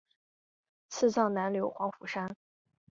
赐葬南柳黄府山。